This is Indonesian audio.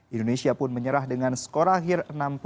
indonesia pun menyerah dengan skor akhir enam puluh enam lima puluh lima